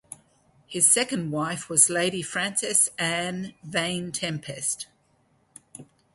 His second wife was Lady Frances Anne Vane-Tempest.